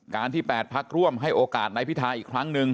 ที่๘พักร่วมให้โอกาสนายพิทาอีกครั้งหนึ่ง